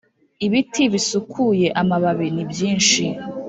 ibiti bisukuye amababi ni byinshi.